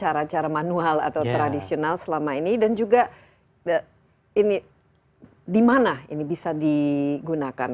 cara cara manual atau tradisional selama ini dan juga ini di mana ini bisa digunakan